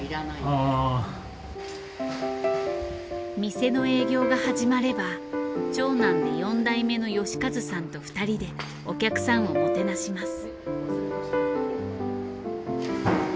店の営業が始まれば長男で４代目の喜一さんと２人でお客さんをもてなします。